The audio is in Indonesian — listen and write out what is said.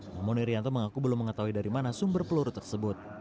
namun irianto mengaku belum mengetahui dari mana sumber peluru tersebut